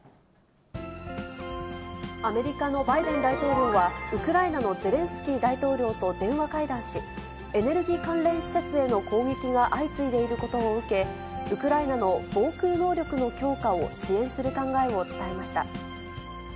アメリカのバイデン大統領は、ウクライナのゼレンスキー大統領と電話会談し、エネルギー関連施設への攻撃が相次いでいることを受け、ウクライナの防空能力の強化を支援する考えを伝えました。